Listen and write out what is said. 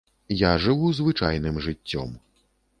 Я жыву звычайным жыццём.